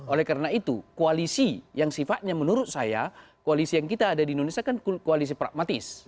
oleh karena itu koalisi yang sifatnya menurut saya koalisi yang kita ada di indonesia kan koalisi pragmatis